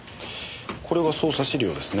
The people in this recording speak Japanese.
これが捜査資料ですね。